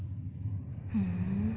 ふん。